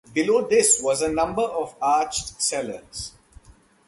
Below this was a number of arched cellars.